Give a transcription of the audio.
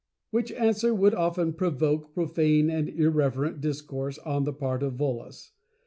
which answer would often provoke profane and irreverent discourse on the part of Volos.